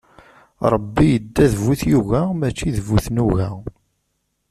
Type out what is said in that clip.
Ṛebbi idda d bu tyuga, mačči d bu tnuga.